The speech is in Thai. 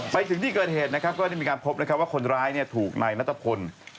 ไปถึงที่เกิดเหตุก็ได้มีการพบว่าคนร้ายถูกในนัตรผล